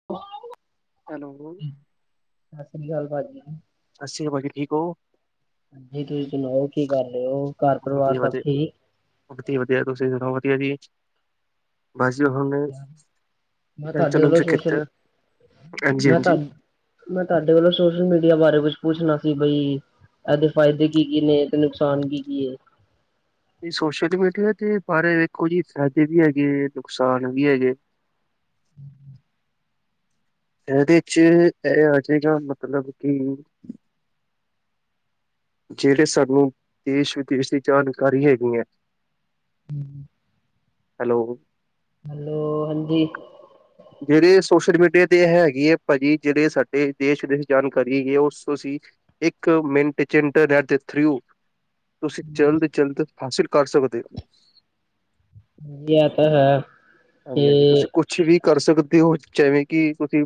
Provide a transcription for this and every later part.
[inaudible] Hello ਸਸ ਰੀ ਕਾਲ ਪਾਜੀ। ਸਸ ਈ ਕਾਲ ਪਾਜੀ ਠੀਕ ਓ। ਜੀ ਤੁਸੀਂ ਸੁਣਾਓ ਕੀ ਕਰ ਰਏ ਓ ਘਰ ਪਰਿਵਾਰ ਸਭ ਠੀਕ। ਵਧੀਆ-ਵਧੀਆ ਤੁਸੀਂ ਸੁਨਾਓ ਵਧੀਆ ਜੀ ਬਸ ਹੁਣ ਮੈਂ ਤੁਹਾਡੇ [unintelligible] ਕੋਲੋਂ 'ਚ ਸੋਸ਼ਲ ਕੀਤਾ ਮੈਂ ਤੁਹਾ ਹਾਂਜੀ-ਹਾਂਜੀ। ਮੈਂ ਤਾਡੇ ਕੋਲੋਂ ਸੋਸ਼ਲ ਮੀਡੀਆ ਬਾਰੇ ਕੁਛ ਪੁੱਛਣਾ ਸੀ ਬਈ ਏਦੇ ਫਾਇਦੇ ਕੀ-ਕੀ ਨੇ ਤੇ ਨੁਕਸਾਨ ਕੀ-ਕੀ ਏ। ਸੋਸ਼ਲ ਮੀਡੀਆ ਦੇ ਬਾਰੇ ਵੇਖੋ ਜੀ ਫ਼ਾਇਦੇ ਵੀ ਹੈਗੇ ਨੁਕਸਾਨ ਵੀ ਹੈਗੇ। ਹਮ [inaudible] ਇਦੇ 'ਚ ਏ ਆ ਜਾਏਗਾ ਮਤਲਬ ਕਿ [inaudible] ਜੇੜੇ ਸਾਨੂੰ ਦੇਸ਼ ਵਿਦੇਸ਼ ਦੀ ਜਾਣਕਾਰੀ ਹੈਗੀਆਂ। ਹੈਲੋ ਹੈਲੋ ਹਾਂਜੀ। ਜੇਡੇ ਸੋਸ਼ਲ ਮੀਡੀਆ ਤੇ ਹੈਗੀ ਏ ਭਾਜੀ ਜੇੜੇ ਸਾਡੇ ਦੇਸ਼ ਦੇ ਜਾਣਕਾਰੀ ਹੈਗੀ ਉਸ ਅਸੀ ਇੱਕ ਮਿੰਟ 'ਚ ਇੰਟਰਨੈਟ ਦੇ ਥਰੂ ਤੁਸੀਂ ਹਾਂਜੀ ਜਲਦ-ਜਲਦ ਹਾਸਿਲ ਕਰ ਸਕਦੇ ਓ। ਯਾ ਤਾਂ ਹੈ। ਤੇ ਹਾਂਜੀ ਹਾਂਜੀ, ਤੁਸੀਂ ਕੁਛ ਵੀ ਕਰ ਸਕਦੇ ਔ ਜੈਵੇਂ ਕਿ ਤੁਸੀਂ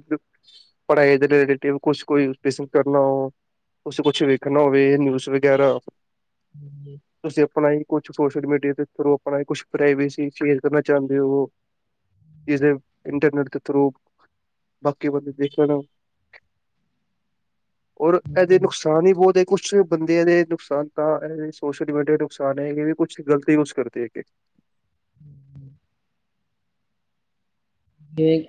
ਪੜ੍ਹਾਈ ਦੇ ਰਿਲੇਟਿਵ ਕੁਛ ਕੋਈ ਕਿਸਨ ਕਰਨਾ ਓ। ਤੁਸੀ ਕੁਛ ਵੇਖਣਾ ਹੋਵੇ ਨਿਊਸ ਵਗੈਰਾ। ਮ ਤੁਸੀਂ ਆਪਣਾ ਹੀ ਕੁਛ ਸੋਸ਼ਲ ਮੀਡੀਆ ਦੇ ਥਰੂ ਆਪਣਾ ਹੀ ਕੁਛ ਪ੍ਰਾਈਵੇਸੀ ਸ਼ੇਅਰ ਕਰਨਾ ਚਾੰਦੇ ਓ। ਕਿਸਦੇ ਇੰਟਰਨੈਟ ਦੇ ਥਰੂ ਬਾਕੀ ਬੰਦੇ ਦੇਖ ਲੈਣਾ। ਔਰ ਐਦੇ ਨੁਕਸਾਨ ਈ ਬੌਤ ਹੈਗ ਕੁਛ ਬੰਦਿਆਂ ਦੇ ਨੁਕਸਾਨ ਤਾਂ ਐਹ ਸੋਸ਼ਲ ਮੀਡੀਆ ਨੁਕਸਾਨ ਹੈਗੇ ਵੀ ਕੁਛ ਗਲਤੀ ਯੂਸ ਕਰਦੇ ਹੈਗੇ। ਹੂੰ, ਹੂੰ। ਕਿਵੇਂ ਐਕਟੀਗ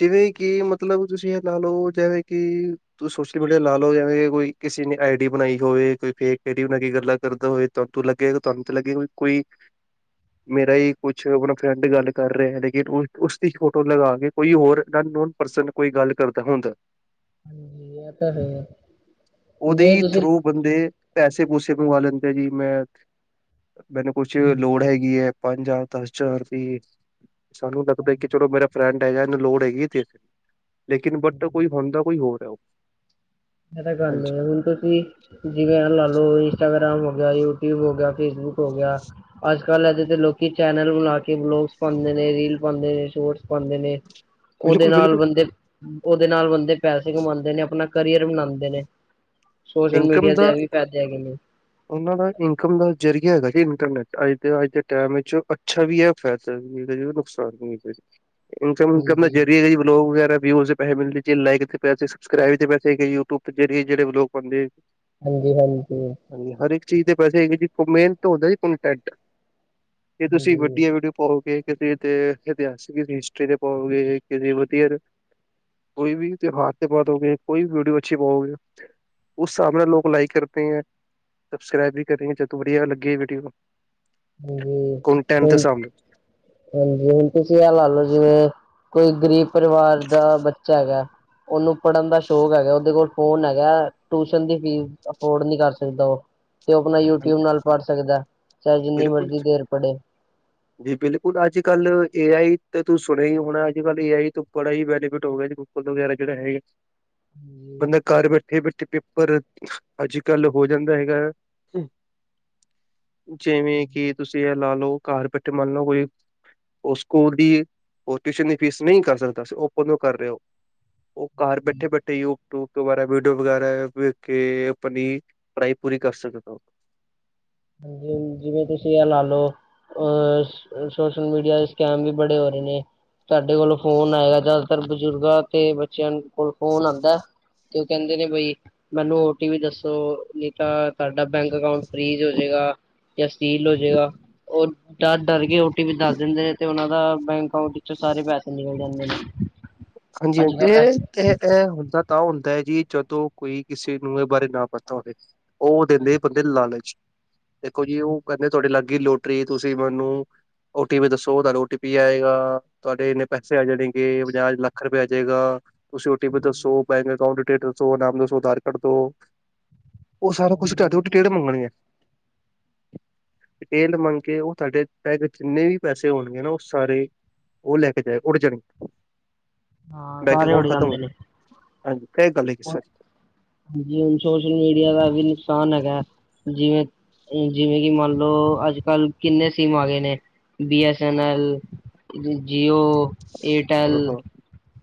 ਜਿਵੇਂ ਕਿ ਮਤਲਬ ਤੁਸੀਂ ਐਹ ਲਾ ਲੋ ਜੈਵੇਂ ਕਿ ਤੁਸੀਂ ਸੋਸ਼ਲ ਮੀਡੀਆ ਲਾ ਲੋ ਜੈਵੇਂ ਕੋਈ ਕਿਸੇ ਨੇ ਆਈਡੀ ਬਣਾਈ ਹੋਏ ਕੋਈ ਫੇਕ ਆਈਡੀ ਬਣਾ ਕੇ ਗੱਲਾਂ ਕਰਦਾ ਹੋਏ। ਤਵਾਣ ਤੂੰ ਲੱਗੇਗਾ ਤੁਆਨੂੰ ਤੇ ਲੱਗੇਗਾ ਬਈ ਕੋਈ ਮੇਰਾ ਈ ਕੁਛ ਅਪਣਾ ਫਰੈਂਡ ਗੱਲ ਕਰ ਰਿਐ ਲੇਕਿਨ ਉਸ ਉਸਦੀ ਫੋਟੋ ਲਗਾ ਕੇ ਕੋਈ ਹੋਰ ਗਨਨੋਨ ਪਰਸਨ ਕੋਈ ਗੱਲ ਕਰਦਾ ਹੋੰਦੈ। ਹਾਂਜੀ, ਐਹ ਤਾਂ ਹੈ, ਜਿਵੇਂ ਉਹਦੇ ਤੁਸੀਂ ਥਰੂ ਬੰਦੇ ਪੈਸੇ-ਪੂਸੇ ਮੰਗਵਾ ਲੈਂਦੇ ਐ ਜੀ ਮੈਂ ਮੈਨੂੰ ਕੁਛ ਲੋੜ ਹੈਗੀ ਐ ਪੰਜ ਜ਼ਾਰ, ਦਸ ਜ਼ਾਰ ਦੀ। ਸਾਨੂੰ ਲੱਗਦੈ ਕਿ ਚਲੋ ਮੇਰਾ ਫਰੈਂਡ ਹੈਗੈ, ਐਨੂੰ ਲੋੜ ਹੈਗੀ ਏ ਦੇਦ ਲੇਕਿਨ ਬਟ ਕੋਈ ਹੋੰਦਾ ਕੋਈ ਹੋਰ ਐ ਓਹ। ਐਹ ਤਾਂ ਗੱਲ ਏ। ਹੁਣ ਤੁਸੀਂ ਜਿਵੇਂ ਐ ਲਾ ਲੋ ਇੰਸਟਾਗ੍ਰਾਮ ਹੋ ਗਿਆ, ਯੂਟਿਊਬ ਹੋ ਗਿਆ, ਫੇਸਬੁੱਕ ਹੋ ਗਿਆ ਅੱਜ-ਕੱਲ੍ਹ ਐਹਦੇ ਤੇ ਲੋਕੀ ਚੈਨਲ ਬਨਾ ਕੇ ਵਲੋਗਸ ਪਾਂਦੇ ਨੇ, ਰੀਲ ਪਾਂਦੇ ਨੇ, ਸ਼ੋਰਟਸ ਪਾਂਦੇ ਨੇ। ਓਦੇ ਬਿਲਕੁਲ ਨਾਲ ਬਿਲਕੁਲ ਬੰਦੇ ਓਹਦੇ ਨਾਲ ਬੰਦੇ ਪੈਸੇ ਕਮਾਂਦੇ ਨੇ, ਅਪਣਾ ਕਰੀਅਰ ਬਨਾੰਦੇ ਨੇ ਸੋਸ਼ਲ ਇਨਕਮ ਮੀਡੀਆ ਦੇ ਦਾ ਐਹ ਵੀ ਫੈਦੇ ਹੈਗੇ ਨੇ। ਉਹਨਾਂ ਦਾ ਇਨਕਮ ਦਾ ਜ਼ਰੀਆ ਹੈਗਾ ਜੀ ਇੰਟਰਨੈਟ, ਅੱਜ ਤੇ ਅੱਜ ਦੇ ਟੈਮ ਏਚ ਅੱਛਾ ਵੀ ਐ। ਫੈਦਾ ਵੀ ਹੈਗਾ ਜੇ ਐਦਾ ਨੁਕਸਾਨ ਵੀ ਹੈਗਾ ਜੇ। ਇਨਕਮ ਕਰਨਾ ਹਾਂਜੀ ਜ਼ਰੀਆ ਹੈਗਾ ਜੀ ਵਿਲੋਗ ਵਗੈਰਾ ਵਿਯੂਜ਼ ਪੈਹੇ ਮਿਲਦੇ ਜੇ ਲਾਇਕ ਕੇ ਪੈਸੇ, ਸਬਸਕ੍ਰਾਇਬ ਦੇ ਪੈਸੇ ਕੀ, ਯੂਟੂਬ ਜਰੀਏ ਜੇੜੇ ਵਿਲੋਗ ਬਣਦੇ ਹਾਂਜੀ, ਹਾਂਜੀ‌। ਹਾਂਜੀ, ਹਰ ਇੱਕ ਚੀਜ਼ ਦੇ ਪੈਸੇ ਹੈਗੇ ਜੀ ਮੇਨ ਹੁੰਦਾ ਜੀ ਕੋਣਟੈਟ। ਜੇ ਤੁਸੀਂ ਹਾਂਜੀ ਵਡੀਆ ਵੀਡੀਓ ਪਵਾਓਗੇ ਕਿਸੇ ਤੇ ਇਤਿਹਾਸਿਕ ਹਿਸਟਰੀ ਤੇ ਪਾਓਗੇ ਕਿਦੀ ਵਧੀਆਰ ਕੋਈ ਵੀ ਤਿਉਹਾਰ ਤੇ ਪਾ ਦੋਗੇ, ਕੋਈ ਵੀ ਵੀਡੀਓ ਅੱਛੀ ਪਾਓਗੇ ਉਸ ਸਾਬ ਨਾਲ ਲੋਕ ਲਾਈਕ ਕਰਤੇ ਹੈ, ਸਬਸਕ੍ਰਾਈਬ ਵੀ ਕਰੇਗੇਂ ਜਦੋਂ ਵਰੀਆ ਲੱਗੀ ਵੀਡੀਓ। ਹਾਂਜੀ ਕੋਣਟੈਂਟ ਦੇ ਹੁਣ ਸਾਬ ਨਾਲ। ਹਾਂਜੀ, ਹੁਣ ਤੁਸੀਂਐ ਲਾ ਲੋ ਜਿਵੇਂ ਕੋਈ ਗ਼ਰੀਬ ਪਰਿਵਾਰ ਦਾ ਬੱਚਾ ਹੈਗੈ ਓਨੂੰ ਪੜ੍ਹਨ ਦਾ ਸ਼ੌਕ ਹੈਗੈ, ਓਦੇ ਕੋਲ ਫੋਨ ਹੈਗੈ, ਟੂਸ਼ਨ ਦੀ ਫੀਸ ਅਫੋਰਡ ਨੀ ਕਰ ਸਕਦਾ ਓਹ। ਤੇ ਓਹ ਅਪਣਾ ਯੂਟਿਊਬ ਨਾਲ ਪੜ੍ਹ ਸਕਦੈ। ਚਾਹੇ ਜਿੰਨੀ ਬਿਲਕੁਲ ਮਰਜ਼ੀ ਦੇਰ ਪੜ੍ਹੇ। ਜੀ ਬਿਲਕੁਲ, ਅੱਜ-ਕੱਲ੍ਹ ਏ ਆਈ ਤੇ ਤੂੰ ਸੁਣਿਆ ਈ ਹੋਣੈ ਅੱਜ-ਕੱਲ੍ਹ ਏ ਆਈ ਤੋਂ ਬੜਾ ਈ ਬੈਨੀਫਿਟ ਹੋ ਗਿਆ ਜੀ ਗੁ ਗੂਲ ਵਗੈਰਾ ਜੇੜਾ ਹੈਗੈ। ਪੜ੍ਹੇ ਬੰਦਾ ਘਰ ਬੈਠੇ-ਬੈਠੇ ਪੇਪਰ ਅੱਜ-ਕੱਲ ਹੋ ਜਾਂਦਾ ਹੈਗਾ ਆ। ਜਿਵੇਂ ਕਿ ਤੁਸੀਂ ਐਹ ਲਾ ਲੋ ਘਰ ਬੈਠੇ ਮੰਨ ਲਓ ਕੋਈ ਓਹ ਸਕੂਲ ਦੀ, ਓਹ ਟਿਊਸ਼ਨ ਦੀ ਫੀਸ ਨਹੀਂ ਕਰ ਸਕਦਾ ਸੀ ਓਹ ਫੋਲੋ ਕਰ ਰਿਐ ਓ। ਘਰ ਬੈਠੇ ਬੈਠੇਈ ਓ ਯੂਟਊਬ ਤੋਂ ਵਗੈਰਾ ਵੀਡੀਓ ਵਗੈਰਾਵੇਖ ਕੇ ਆਪਣੀ ਪੜ੍ਹਾਈ ਪੂਰੀ ਕਰ ਸਕਦੈ। ਹਾਂਜੀ, ਜਿਵੇਂ ਤੁਸੀਂ ਆ ਲਾਲੋ- ਅ ਸੋਸ਼ਲ ਮੀਡੀਆ ਦੇ ਸਕੈਮ ਵੀ ਬੜੇ ਹੋ ਰੇਨੇ। ਸਾਡੇ ਕੋਲ ਫੋਨ ਆਏਗਾ ਜਾਦਾਤਰ ਬਜ਼ੁਰਗਾਂ ਤੇ ਬੱਚਿਆਂ ਕੋਲ ਫੋਨ ਆਂਦੈ। ਤੇ ਓ ਕੈਂਦੇ ਨੇ ਬਈ ਮੈਨੂੰ ਓਟੀਵੀ ਦੱਸੋ, ਨਈਂ ਤਾਂ- ਤਾਡਾ ਬੈਂਕ ਅਕਾਊਂਟ ਫਰੀਜ਼ ਹੋ ਜੇਗਾਯਾਂ ਸੀਲ ਹੋ ਜੇਗਾ। ਓ ਡਰ-ਡਰ ਕੇ ਓਟੀਪੀ ਦੱਸ ਦਿੰਦੇ ਨੇ, ਤੇ ਓਨਾਂ ਦਾ ਬੈਂਕ ਅਕਾਊਂਟ- ਚੋਂ ਸਾਰੇ ਪੈਸੇ ਨਿਕਲ ਜਾਂਦੇ ਨੇ। ਅੱਜ ਹਾਂਜੀ-ਹਾਂਜੀ, ਕੱਲ ਹਾਂਜੀ ਤੇ ਇਹ ਇਹ ਹੁੰਦਾ ਤਾਂ ਹੁੰਦਾ ਐਜੀ ਜਦੋਂ ਕੋਈ ਕਿਸੇ ਨੂੰ ਏਹ ਬਾਰੇ ਨਾ ਪਤਾ ਹੋਵੇ। ਓ ਦਿੰਦੇ ਬੰਦੇ ਹਾਂਜੀ ਨੂੰ ਲਾਲਚ ਦੇਖੋ ਜੀ, ਓ ਹਾਂਜੀ ਕੈਂਦੇ ਤੁਆਡੀ ਲਾਗ ਗਈ ਲੋਟਰੀ ਤੁਸੀਂ ਮੈਨੂੰ ਓਟੀਪੀ ਦੱਸੋ ਤੁਆਨੂੰ ਓਟੀਪੀ ਆਏਗਾ, ਤੁਆਡੇ ਇੰਨੇ ਪੈਸੇ ਆ ਜਾਣਗੇ ਪੰਜਾਹ ਲੱਖ ਲਾਖ ਰਪੈ ਆ ਜੇਗਾ। ਤੁਸੀਂ ਓਟੀਪੀ ਦੱਸੋ, ਬੈਂਕ ਅਕਾਊਂਟ, ਡਿਟੇਲ ਦੱਸੋ ਨਾਮ ਦੱਸੋ, ਆਧਾਰ ਕਾਰਡ ਦੋ- ਓ ਸਾਰਾ ਕੌਛ ਤੁਆਡੇ ਹਾਂਜੀ ਕੋਲ ਡਿਟੇਲ ਮੰਗਣ ਗੇ। ਡਿਟੇਲ ਮੰਗ ਕੇ, ਓ ਤੁਆਡੇੈ ਜਿੰਨੇ ਵੀ ਪੈਸੇ ਹੋਣਗੇ ਨਾ ਓ ਸਾਰੇ- ਓ ਲੈ ਕੇ ਜਾਏ, ਓੜ ਜਾਣ- ਹਾਂ, ਸਾਰੇ ਉੜ ਜਾਂਦੇ ਨੇ। ਹਾਂਜੀ, ਹੁਣ [unintelligible] ਹਾਂਜੀ, ਹੋਨ ਸੋਸ਼ਲ ਮੀਡੀਆ ਦਾ ਵੀ ਨੁਕਸਾਨ ਹੈਗਾ, ਜਿਵੇਂ- ਜਿਵੇਂ ਕਿ ਮੰਨ ਲਓ ਅੱਜ-ਕੱਲ ਕਿੰਨੇ ਸਿੰਮ ਆ ਗਏ ਨੇ, ਬੀਐਸਐਨ ਐਲ- ਜੀਓ- ਏਅਰਟੈਲ। ਹਾਂ ਹਾਂ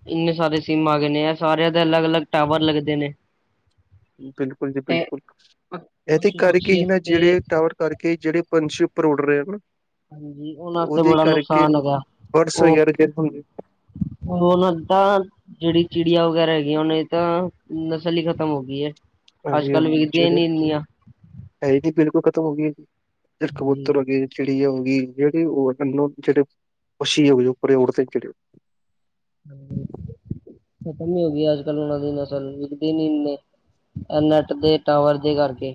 ਇੰਨੇ ਸਾਰੇ ਸਿੰਮ ਆ ਗਏ ਨੇ ਐ ਸਾਰਿਆਂ ਦੇ ਅਲੱਗ-ਅਲੱਗ ਟਾਵਰ ਲੱਗਦੇ ਨੇ। ਬਿਲਕੁਲ ਜੀ ਤੇ ਬਿਲਕੁਲ, ਏਦੇ ਪਸ਼ੂ ਕਰਕੇ ਪਕਸ਼ੀ ਹੀ ਨਾ ਵਾਸਤੇ ਜੇੜੇ ਟਾਵਰ- ਕਰਕੇ ਜੇੜੇ ਪੰਛੀ ਉੱਪਰ ਉੱਡ ਰੇ ਨਾ- ਹਾਂਜੀ ਉਹਨਾਂ ਵਾਸਤੇ ਓਦੇ ਬੜਾ ਕਰਕੇ ਨੁਕਸਾਨ ਹੈਗਾ ਬਰਡਸ ਵਗੈਰਰਾਂ ਹੁਨ ਔਨਾਂ ਦਾ ਜੇੜੀ ਚਿੜੀਆਂ ਵਗੈਰਾ ਹੈਗੀਆਂ, ਔਨਾਂ ਦੀ ਤਾਂ ਨਸਲ ਈ ਖਤਮ ਹੋ ਗਈ ਐ। ਹਾਂਜੀ ਅੱਜ-ਕੱਲ ਹਾਂਜੀ ਵਿਖਦੀਆਂ ਈ ਜਿਹੜੇ ਨੀ ਇੰਨੀਆਂ। ਹੈ ਈਨੀ ਬਿਲਕੁਲ ਖਤਮ ਹੋ ਗਈ ਏ, ਜਸਟ ਕਬੂਤਰ ਹਾਂਜੀ ਹੈਗੇ। ਚਿੜੀਯਾ ਹੋਗੀ ਜੇੜੀ ਔ ਜੇੜੇ ਪਸ਼ੀ ਹੋਗੇ, ਉਪਰ ੳਡਦੇ ਜੇੜੇ। ਖਤਮ ਹੀ ਹੋ ਗਈ ਅੱਜ-ਕੱਲ ਔਨਾਂ ਦੀ ਨਸਲ। ਵਿਖਦੇ ਨੀਂ ਇੰਨੇ। ਐ ਨੈੱਟ ਦੇ ਟਾਵਰ ਦੇ ਕਾਰਕੇ।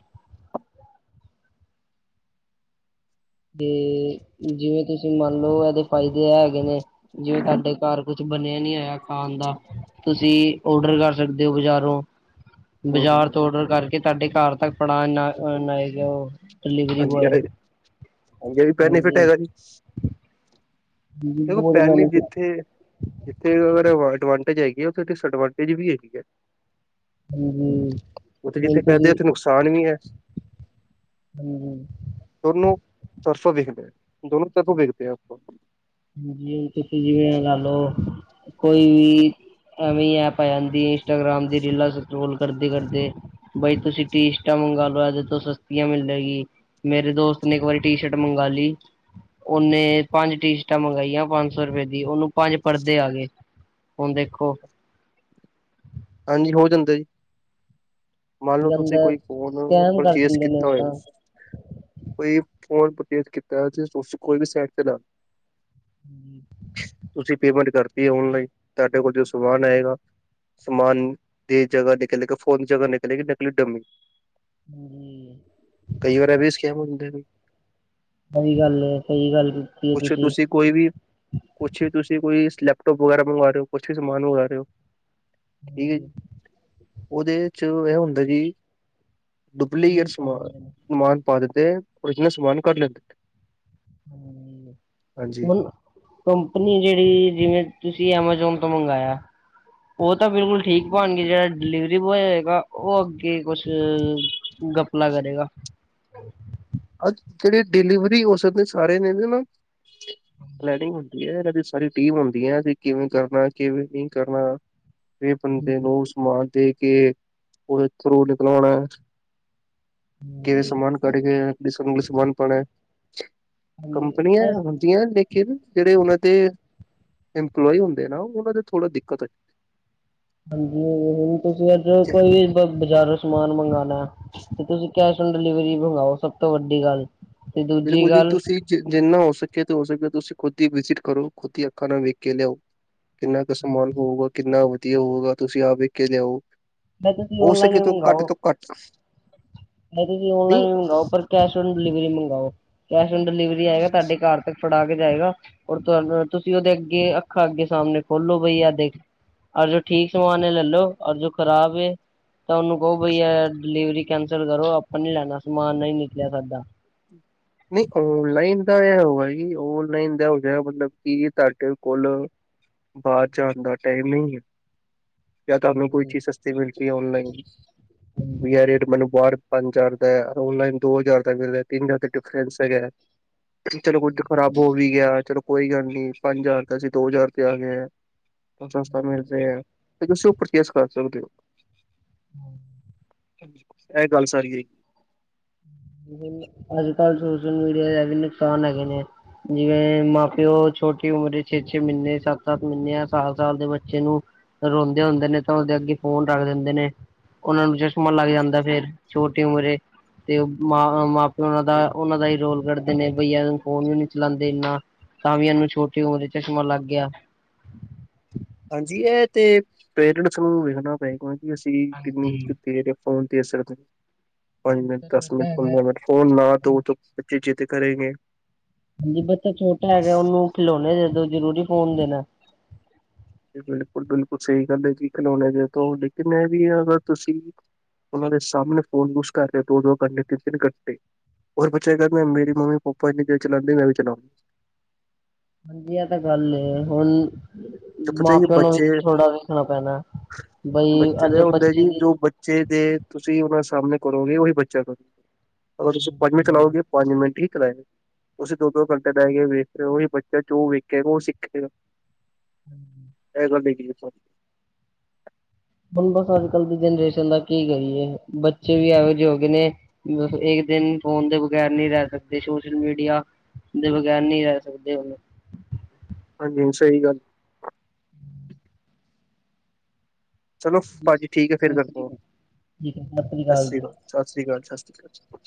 ਤੇ ਜਿਵੇਂ ਤੁਸੀਂ ਮੰਨ ਲੋ ਏਦੇ ਫਾਇਦੇ ਐ ਹੈਗੇ ਨੇ, ਜਿਵੇਂ ਤਾਡੇ ਘਰ ਕੁਛ- ਬਣਿਆ ਨੀਂ ਹੋਯਾ ਖਾਣ ਦਾ, ਤੁਸੀ ਔਡਰ ਕਰ ਸਕਦੇ ਔ ਬਜਾਰੋਂ। ਹੂੰ ਬਾਜ਼ਾਰ ਹੂੰ, ਤੋਂ ਔਡਰ ਕਰਕੇ ਤਾਡੇ ਘਰ ਤੱਕ ਫੜਾਨ ਆਏਗਾ, ਔ ਡਿਲੀਵਰੀ ਹਾਂਜੀ ਇਹ ਬੋਏ। ਹਾਂਜੀ, ਬੈਨੀਫਿਟ ਹੈਗਾ ਜੀ ਦੇਖੋ, ਬਹੁਤ ਪੈਨੀ ਬੈਨੀਫਿਟ ਜਿੱਥੇ- ਜਿੱਥੇ ਅਗਰ ਅਡਵਾਂਟੇਜ ਹੈਗੀ, ਔਥੇ ਡਿਸ ਅਡਵਾਂਟੇਜ ਵੀ ਹੈਗੀ ਏ। ਹੂੰ-ਹੂੰ ਜੀ। ਕਸਾਨ ਵੀ ਐ। ਹੂੰ-ਹੂੰ। ਦੋਨੋ ਪਰਸੋਂ ਵੇਖਦੈ, ਦੋਨੋ ਤਰਫੋ ਵੇਖਦੇ ਆਂ ਆਪਾਂ। ਜੀ ਹੁਨ ਤੁਸੀਂ ਜਿਵੇਂ ਐ ਲਾ ਲੋ, ਕੋਈ ਵੀ- ਐਵੇਂ ਐਪ ਆ ਜਾਂਦੀ ਏ, ਇੰਸਟਾਗ੍ਰਾਮ ਦੀ ਰੀਲਾਂ ਸਕੋਲ ਕਰਦੇ-ਕਰਦੇ। ਬਈ ਤੁਸੀਂ ਟੀਸਟਾਂ ਮੰਗਾ ਲੋ, ਏਦੇ ਤੋਂ ਸਸਤੀਆਂ ਮਿਲ ਜੇਗੀ। ਮੇਰੇ ਦੋਸਤ ਨੇ ਇੱਕ ਵਾਰੀ ਟੀ ਸ਼ਰਟ ਮੰਗਾ ਲਈ, ਉਹਨੇ ਪੰਜ ਟੀ ਟਾਂ ਮੰਗਾਈਆਂ ਪੰਜ ਸੌ ਰੁਪਏ ਦੀ, ਉਹਨੂੰ ਪੰਜ ਪਰਦੇ ਆਗੇ, ਹੁਣ ਦੇਖੋ। ਹਾਂਜੀ, ਹੋ ਜਾਂਦਾ ਜੀ। ਮੰਨਲੋ ਤੁਸੀਂ ਅੰਦਰ ਕੋਈ ਫੋਨ, ਸਕੈਮ ਕਰ ਪਰਚੇਜ ਦਿੰਦੇ ਨੇ ਕੀਤਾ ਉਹ ਹੋਏ ਤਾਂ ਕੋਈ ਫੋਨ ਪਰਚੇਸ ਕੀਤਾ, ਕੋਈ ਵੀ ਸੈਟ ਦਾ। ਤੁਸੀਂ ਪੇਮੈਂਟ ਕਰਤੀ ਏ ਔਨਲਾਈਨ, ਤੁਹਾਡੇ ਕੋਲ ਜੋ ਸਮਾਨ ਆਏਗਾ ਸਮਾਨ ਦੇ ਜਗਾ ਨਿਕਲੇਗਾ ਫੋਨ ਦੀ ਜਗਾ ਨਿਕਲੇਗੀ ਨਿਕਲੀ ਡਮੀ। ਹੂੰ ਕਈ ਵਾਰ ਐ ਵੀ ਸਕੈਮ ਹੂੰਦੇ ਨੇ। ਸਹੀ ਗੱਲ ਏ, ਸਹੀ ਗੱਲ ਕੀਤੀ ਏ ਤੁਸੀਂ। ਕੋਈ ਵੀ, ਕੁਛ ਵੀ ਤੁਸੀਂ ਕੋਈ ਲੈਪਟੋਪ ਵਗੈਰਾ ਮੰਗਵਾ ਰਹੇ ਓ, ਕੁਛ ਵੀ ਸਮਾਨ ਮੰਗਾ ਰਹੇ ਓ। ਏ, ਉਹਦੇ'ਚ ਐ ਹੁੰਦਾ ਜੀ। ਡੁਪਲੀਕੇਟ ਪਾ ਸਮਾਨ, ਦਿੰਦੇ ਨੇ ਸਮਾਨ ਪਾ ਦਿੱਤੇ, ਓਰਿਜਨਲ ਸਮਾਨ ਕਢ ਲੈਂਦੇ। ਹੂੰ, ਹਾਂਜੀ ਮਨ ਕੰਪਨੀ ਜਿਹੜੀ, ਜਿਵੇਂ ਤੁਸੀਂ ਐਮਾਜੋਨ ਤੋਂ ਮੰਗਾਇਆ। ਉਹ ਤਾਂ ਬਿਲਕੁਲ ਠੀਕ ਪਾਣਗੇ, ਜਿਹੜਾ ਡਿਲੀਵਰੀ ਬੌਏ ਹੈਗਾ, ਉਹ ਅੱਗੇ ਕੁਛ ਗਪਲਾ ਕਰੇਗਾ। ਜਿਹੜੇ ਡਿਲੀਵਰੀ ਹੋ ਸਕਦੇਨ, ਸਾਰੇ ਨੇ ਨਾ। ਪਲੈਨਿੰਗ ਹੁੰਦੀ ਏ, ਇਹਨਾਂ ਦੀ ਸਾਰੀ ਟੀਮ ਹੁੰਦੀ‌ ਐ, ਤੇ ਕਿਵੇਂ ਕਰਨਾ, ਕਿਵੇਂ ਨਹੀਂ ਕਰਨਾ ਇਹ ਬੰਦੇ ਨੂੰ ਹਾਂਜੀ ਸਮਾਨ ਦੇਕੇ ਉਹਦੇ ਥ੍ਰੂ ਨਿਕਲਵਾਣਾ। ਕਿਵੇ ਸਮਾਨ ਕਢਕੇ, ਕਿਸ [unintelligible] ਸਮਾਨ ਪਾਣੈ, ਕੰਪਨੀ ਐ ਲੇਕਿਨ, ਜਿਹੜੇ ਉਹਨਾਂ ਦੇ ਇੰਪਲੋਈ ਹੁੰਦੇ ਨਾ ਉਹਨਾਂ ਦੇ ਥੋੜਾ ਦਿੱਕਤ ਆਈ। ਹਾਂਜੀ, ਹੁਣ ਜਿਵੇਂ ਤੁਸੀਂ ਇੱਧਰੋ ਹੈ ਕੋਈ ਬਜ਼ਾਰੋਂ ਸਮਾਨ ਮੰਗਾਣਾ ਤੇ ਤੁਸੀਂ ਕੈਸ਼ ਔਨ ਡਿਲੀਵਰੀ ਮੰਗਾਓ, ਸਭ ਤੋਂ ਵੱਡੀ ਗੱਲ। ਤੇ ਦੂਜੀ ਬਿਲਕੁਲ ਜੀ, ਗੱਲ ਤੁਸੀ ਜ ਜਿੰਨਾ ਹੋ ਸਕੇ, ਤੇ ਹੋ ਸਕੇ, ਤੁਸੀਂ ਖੁਦ ਹੀ ਵਿਜਿਟ ਕਰੋ, ਖੁਦ ਹੀ ਅੱਖਾਂ ਨਾਲ ਵੇਖਕੇ ਲਿਆਓ। ਕਿੰਨਾ ਕ ਸਮਾਨ ਹੋਊਗਾ, ਕਿੰਨਾ ਵਧੀਆ ਹੋਊਗਾ, ਤੁਸੀ ਆਪ ਵੇਖਕੇ ਲਿਆਓ। ਮੈਂ ਤੁਸੀਂ ਹੋ ਸਕੇ ਤੋ, ਘੱਟ ਤੋਂ ਘੱਟ ਚਾਹੇ ਤੁਸੀ ਨਹੀਂ ਔਨਲਾਈਨ ਮੰਗਾਓ, ਪਰ ਕੈਸ਼ ਔਨ ਡਿਲੀਵਰੀ ਮੰਗਾਓ ਕੈਸ਼ ਔਨ ਡਿਲੀਵਰੀ ਆਏਗਾ ਤੁਹਾਡੇ ਘਰ। ਤ ਫੜਾ ਕੇ ਜਾਏਗਾ, ਔਰ ਤੁਹ ਤੁਸੀਂ ਉਹਦੇ ਅੱਗੇ ਅੱਖਾਂ ਅੱਗੇ ਸਾਹਮਣੇ ਖੋਲੋ ਬਈ, ਆ ਦੇਖ। ਔਰ ਜੋ ਠੀਕ ਸਮਾਨ ਏ ਲੈਲੋ, ਔਰ ਜੋ ਖਰਾਬ ਏ ਤਾਂ ਉਹਨੂੰ ਕਹੋ ਬਈ ਐ ਡਿਲੀਵਰੀ ਕੈਂਸਲ ਕਰੋ, ਆਪਾਂ ਨੀ ਲੈਣਾ ਸਮਾਨ ਨਹੀਂ ਨਿਕਲਿਆ ਸਾਡਾ। ਨਹੀਂ ਔਨਲਾਈਨ ਦਾ ਐ ਹੋਗਿਆ ਜੀ, ਔਨਲਾਈਨ ਦਾ ਹੋਗਿਆ, ਮਤਲਬ ਕਿ ਤੁਹਾਡੇ ਕੋਲ ਬਾਹਰ ਜਾਣ ਦਾ ਟਾਈਮ ਨਹੀ ਆ, ਯਾ ਤੁਹਾਨੂੰ ਕੋਈ ਹਾਂਜੀ ਚੀਜ਼ ਸ ਮਿਲਗੀ, ਔਨਲਾਈਨ ਵੀ ਹਾਂਜੀ ਐ ਰੇਟ ਮੈਨੂੰ ਬਾਹਰ ਪੰਜ ਹਜ਼ਾਰ ਦਾ, ਔਨਲਾਈਨ ਦੋ ਹਜ਼ਾਰ ਤੱਕ ਮਿਲਦਾ, ਤਿੰਨ ਹਜ਼ਾਰ ਤੱਕ ਡਿਫਰੈਂਸ ਹੈਗਾ, ਚਲੋ ਕੁਛ ਤਾ ਹਾਂਜੀ ਖਰਾਬ ਹੋ ਵੀਹ ਹਜਾਰ ਚਲੋ ਕੋਈ ਗੱਲ ਨੀ, ਪੰਜ ਹਜ਼ਾਰ ਦਾ ਅਸੀਂ ਦੋ ਹਜ਼ਾਰ ਤੇ ਆਗੇ ਆਂ। ਸਸਤਾ ਮਿਲ ਹਾਂਜੀ ਰਿਹਾ, ਫਿਰ ਤੁਸੀ ਓ ਪਰਚੇਸ ਕਰ ਸਕਦੇ ਓ। ਹੂੰ ਐ ਗੱਲ ਸਾਰੀ ਹੈ ਈ। [unintelligible] ਅੱਜ-ਕਲ ਸੋਸ਼ਲ ਮੀਡੀਆ ਦੇ ਐ ਵੀ ਨੁਕਸਾਨ ਹੈਗੇ ਨੇ। ਜਿਵੇਂ, ਮਾਂ-ਪਿਓ ਛੋਟੀ ਉਮਰੇ ਛੇ-ਛੇ ਮਹੀਨੇ ਸੱਤ-ਸੱਤ ਮਹੀਨੇ ਯਾ ਸਾਲ-ਸਾਲ ਦੇ ਬੱਚੇ ਨੂੰ ਰੋਂਦੇ ਹੁੰਦੇ ਨੇ, ਤਾਂ ਉਹਦੇ ਅੱਗੇ ਫ਼ੋਨ ਰੱਖ ਦਿੰਦੇ ਨੇ। ਓਨਾ ਨੂੰ ਚਸ਼ਮਾ ਲੱਗ ਜਾਂਦਾ ਫੇਰ, ਛੋਟੀ ਉਮਰੇ, ਤੇ ਓ ਮਾਂ, ਮਾਂ-ਪਿਓ ਓਨਾਂ ਦਾ ਓਨਾਂ ਦਾ ਈ ਰੋਲ ਕੱਢਦੇ ਨੇ ਬਈ ਏਹ ਫੋਨ ਵੀ ਨੀ ਚਲਾਂਦੇ ਏਨਾ ਤਾਂ ਵੀ ਏਨੂੰ ਛੋਟੀ ਉਮਰ ਚ ਚਸ਼ਮਾ ਲੱਗ ਗਿਆ। ਹਾਂਜੀ ਏਹ ਤੇ ਪੇਰੈਂਟਸ ਨੂੰ ਵੇਖਣਾ ਪਏਗਾ ਜੀ ਅਸੀਂ ਕਿੰਨੀ ਹਾਂਜੀ ਕੀ ਦੇਰ ਫੋਨ ਦੇ ਸਕਦੇ, ਪੰਜ ਮਿੰਟ, ਬੱਚਾ ਦਸ ਛੋਟਾ ਮਿੰਟ, ਹੈਗਾ ਪੰਦਰਾਂ ਮਿੰਟ ਫੋਨ ਨਾ ਦੋ ਤੋ ਬੱਚੇ ਜ਼ਿੱਦ ਕਰੇਗੇ। ਹਾਂਜੀ ਬੱਚਾ ਛੋਟਾ ਹੈਗਾ ਓਨੂੰ ਖਿਲੌਣੇੇ ਦੇ ਦੋ ਜ਼ਰੂਰੀ ਫੋਨ ਦੇਣਾ। ਬਿਲਕੁਲ-ਬਿਲਕੁਲ ਸਈ ਗੱਲ ਏ ਜੀ ਖਿਲੋਣੇ ਦੇ ਦੋ ਲੇਕਿਨ ਏਹ ਵੀ ਅਗਰ ਤੁਸੀਂ ਓਨਾਂ ਦੇ ਸਾਹਮਣੇ ਫੋਨ ਯੂਜ ਕਰ ਰਹੇ ਦੋ-ਦੋ ਕੰਟੇ ਤਿੰਨ-ਤਿੰਨ ਕੰਟੇ ਔਰ ਬੱਚਾ ਏ ਕੈਂਦੇ ਮੇਰੀ ਮੰਮੀ ਪਾਪਾ ਏਨੀ ਦੇਰ ਚਲਾਦੇ ਮੈਂ ਵੀ ਚਲਾ ਹਾਂਜੀ ਏ ਤਾਂ ਗੱਲ ਏ, ਹੁਣ ਤੇ ਪਤਾ ਹੀ ਮਾਂ-ਪਿਓ ਨੂੰ ਬੱਚੇ ਵੀ ਥੋੜ੍ਹਾ ਵੇਖਣਾ ਪੈਣਾ ਬਈ ਬੱਚੇ ਅੱਜ ਦਾ ਹੁੰਦਾ ਬੱਚੇ ਜੀ ਦੀ ਜੋ ਬੱਚੇ ਦੇ ਤੁਸੀਂ ਓਨਾਂ ਸਾਹਮਣੇ ਕਰੋਗੇ ਓਹੀ ਬੱਚਾ ਕਰੋ, ਅਗਰ ਤੁਸੀਂ ਪੰਜ ਮਿੰਟ ਚਲਾਓਗੇ। ਪੰਜ ਮਿੰਟ ਈ ਚਲਾਏ ਗਾ, ਤੁਸੀਂ ਦੋ-ਦੋ ਘੰਟੇ ਬੈਹ ਕੇ ਵੇਖ ਰਹੇ ਓ ਓਈ ਬੱਚਾ ਜੋ ਵੇਖੇਗਾ ਓ ਸਿੱਖੇਗਾ। ਇਹ ਗੱਲ ਠੀਕ ਕਈ ਤੁਸਾਂ। ਬਦਸ ਅੱਜ ਕੱਲ ਦੀ ਜਨਰੇਸ਼ਨ ਦਾ ਕੀ ਕਰੀਏ ਬੱਚੇ ਵੀ ਏਹੋ ਜਹੇ ਹੋ ਗਏ ਨੇ ਦਸੋ ਏਕ ਦਿਨ ਫੋਨ ਦੇ ਬਗੈਰ ਨੀ ਰੈ ਸਕਦੇ ਸੋਸ਼ਲ ਮੀਡੀਆ ਦੇ ਬਗੈਰ ਨੀ ਰੈ ਸਕਦੇ ਹੁਨ। ਹਾਂਜੀ ਸਈ ਗੱਲ ਚਲੋ ਪਾਜੀ ਠੀਕ ਏ ਫੇਰ ਸਤਿ ਕਰਦਾ ਸ੍ਰੀ ਵਾ ਅਕਾਲ ਠੀਕ ਹੈ ਸਤਿ ਸਾਸ ਅਕਾਲ ਸ੍ਰੀ ਜੀ ਕਾਲ। ਸਾਸ ਸ਼੍ਰੀ ਕਾਲ ਸਾਸ ਸ੍ਰੀ ਕਾਲ।